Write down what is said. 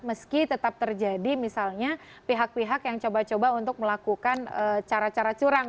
meski tetap terjadi misalnya pihak pihak yang coba coba untuk melakukan cara cara curang